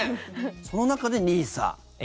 その中で、ＮＩＳＡ。